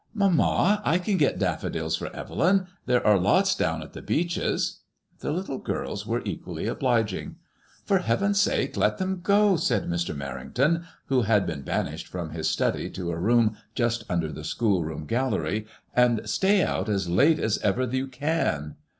Mamma, I can get daffodils for Evelyn. There are lots down at the Beeches/' The little girls were equally obliging. *^ For heaven's sake let them go," said Mr. Merrington, who had been banished from his study to a room just under the school room gallery, ''and stay out as late as ever you can."